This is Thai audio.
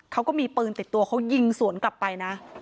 เขาก็มีปืนติดตัวเขายิงสวนกลับไปนะ